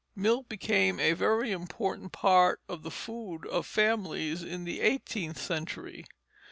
Milk became a very important part of the food of families in the eighteenth century.